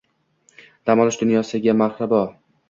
“Dam olish dunyosi”ga marhabo